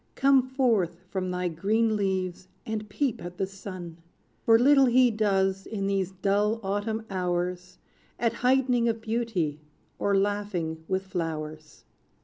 Come forth from thy green leaves, and peep at the sun! For little he does, in these dull autumn hours, At height'ning of beauty, or laughing with flowers.